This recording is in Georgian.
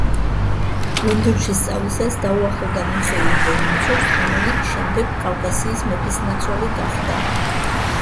ლონდონში სწავლისას დაუახლოვდა მიხეილ ვორონცოვს, რომელიც შემდეგ კავკასიის მეფისნაცვალი გახდა.